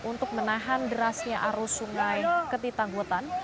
untuk menahan derasnya arus sungai ketitangwetan